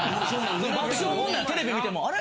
爆笑問題テレビ見てもあれ？